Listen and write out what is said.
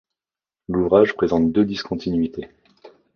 L'ouvrage présente deux discontinuités.